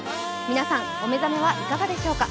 皆さんお目覚めはいかがでしょうか。